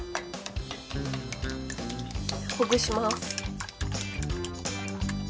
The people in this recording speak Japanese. ほぐします。